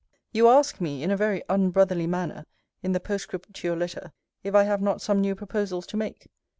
You ask me, in a very unbrotherly manner, in the postscript to your letter, if I have not some new proposals to make?